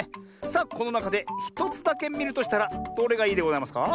さあこのなかで１つだけみるとしたらどれがいいでございますか？